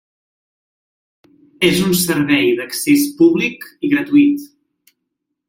És un servei d’accés públic i gratuït.